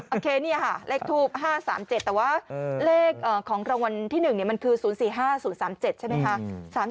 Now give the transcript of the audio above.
โอเคนี่ค่ะเลขทูป๕๓๗แต่ว่าเลขของรางวัลที่๑มันคือ๐๔๕๐๓๗ใช่ไหมคะ